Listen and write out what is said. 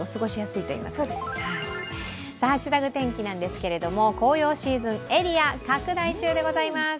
「＃ハッシュタグ天気」なんですが紅葉シーズンエリア拡大中でございます。